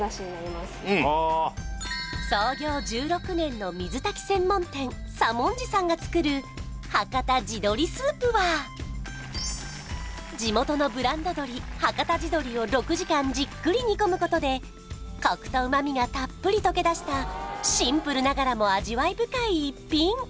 １６年の水炊き専門店さもんじさんが作るはかた地どりスープは地元のブランド鶏はかた地どりを６時間じっくり煮込むことでコクとうま味がたっぷり溶け出したシンプルながらも味わい深い逸品